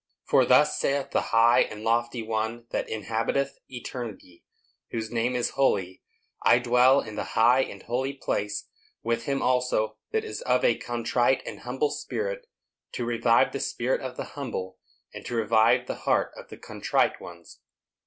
"_For thus saith the high and lofty One that inhabiteth eternity, whose name is Holy, I dwell in the high and holy place, with him also that is of a contrite and humble spirit, to revive the spirit of the humble, and to revive the heart of the contrite ones.